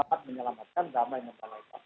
selamat menyelamatkan damai memperbaikan